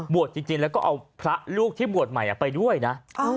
จริงแล้วก็เอาพระลูกที่บวชใหม่ไปด้วยนะ